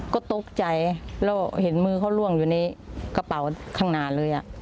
ก็ตกใจแล้วเห็นมือเขาล่วงอยู่ในกระเป๋าข้างหน้าเลย